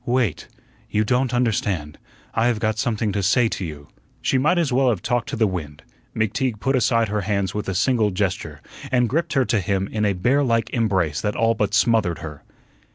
"Wait. You don't understand. I have got something to say to you." She might as well have talked to the wind. McTeague put aside her hands with a single gesture, and gripped her to him in a bearlike embrace that all but smothered her.